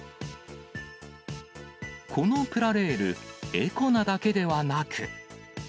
このプラレール、エコなだけではなく。